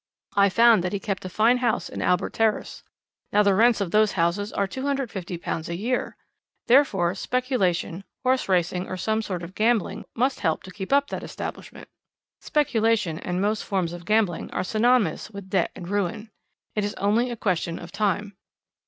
I found that he kept a fine house in Albert Terrace. Now, the rents of those houses are £250 a year. Therefore speculation, horse racing or some sort of gambling, must help to keep up that establishment. Speculation and most forms of gambling are synonymous with debt and ruin. It is only a question of time.